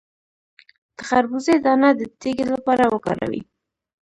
د خربوزې دانه د تیږې لپاره وکاروئ